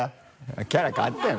キャラ変わったよ。